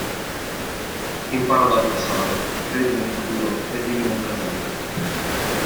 Impara dal passato, credi nel futuro e vivi nel presente.